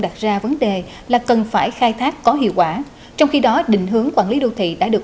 đặt ra vấn đề là cần phải khai thác có hiệu quả trong khi đó định hướng quản lý đô thị đã được